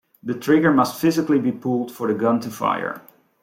The trigger must physically be pulled for the gun to fire.